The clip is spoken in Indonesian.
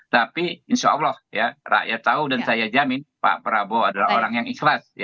tapi insya allah ya rakyat tahu dan saya jamin pak prabowo adalah orang yang ikhlas